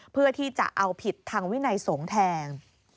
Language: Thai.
เพื่อที่จะเอาผิดทางวินัยสงฆ์แทน